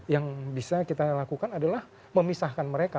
yang bisa kita lakukan adalah memisahkan mereka